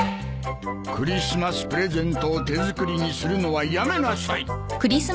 クリスマスプレゼントを手作りにするのはやめなさい！